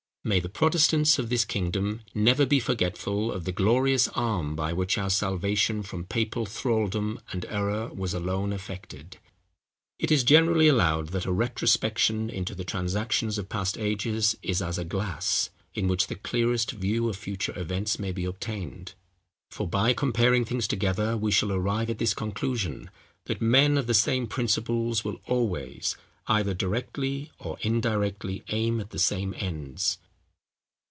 May the Protestants of this kingdom never be forgetful of the glorious Arm by which our salvation from papal thraldom and error was alone effected! It is generally allowed that a retrospection into the transactions of past ages is as a glass, in which the clearest view of future events may be obtained: for, by comparing things together, we shall arrive at this conclusion, that men of the same principles will always, either directly or indirectly, aim at the same ends.